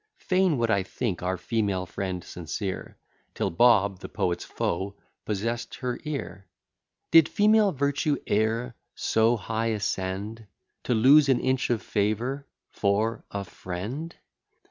Fain would I think our female friend sincere, Till Bob, the poet's foe, possess'd her ear. Did female virtue e'er so high ascend, To lose an inch of favour for a friend?